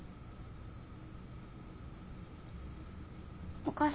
お母さんは？